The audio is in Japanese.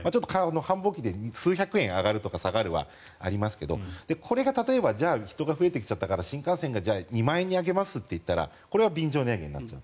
繁忙期で数百円上がる、下がるはありますけどこれが例えば人が増えてきたから新幹線をじゃあ２万円に上げますと言ったらこれは便乗値上げになると。